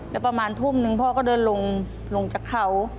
แล้วประมาณทุ่มนึงพ่อก็เดินลงจากเขา